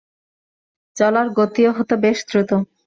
চলার গতিও হত বেশ দ্রুত।